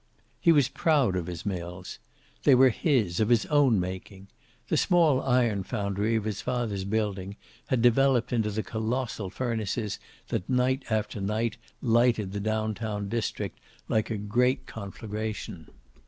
He was proud of his mills. They were his, of his making. The small iron foundry of his father's building had developed into the colossal furnaces that night after night lighted the down town district like a great conflagration.